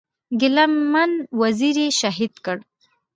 ګيله من وزير یې شهید کړ.